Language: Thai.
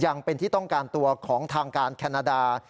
ยังเป็นที่ต้องการตัวของทางการแคนาดา